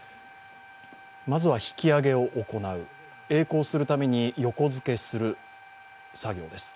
まずは引き揚げを行うえい航するために横付けする作業です。